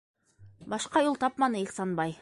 Башҡа юл тапманы Ихсанбай...